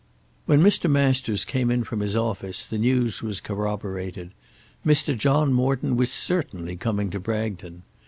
When Mr. Masters came in from his office the news was corroborated. Mr. John Morton was certainly coming to Bragton.